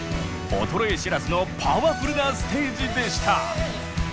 衰え知らずのパワフルなステージでした。